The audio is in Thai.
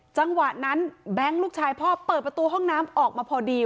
จังหวะนั้นแบงค์ลูกชายพ่อเปิดประตูห้องน้ำออกมาพอดี